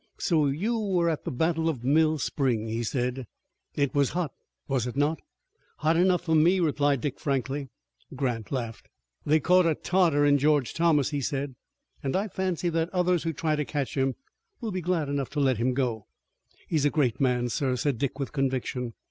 "So you were at the battle of Mill Spring," he said. "It was hot, was it not?" "Hot enough for me," replied Dick frankly. Grant laughed. "They caught a Tartar in George Thomas," he said, "and I fancy that others who try to catch him will be glad enough to let him go." "He is a great man, sir," said Dick with conviction.